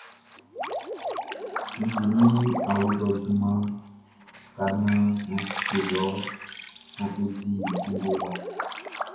N di min awlo lɔ junmanʼn ka naan mʼan fite lɔ mʼan ko di ngowa.